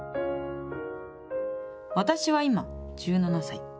私は今１７歳。